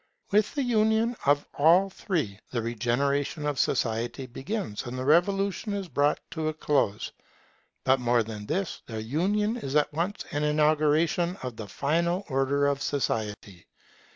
With the union of all three, the regeneration of society begins, and the revolution is brought to a close. But more than this: their union is at once an inauguration of the final order of society.